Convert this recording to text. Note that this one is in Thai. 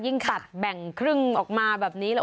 ตัดแบ่งครึ่งออกมาแบบนี้